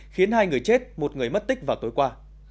khiến hai người chết một người mất tích vào tối qua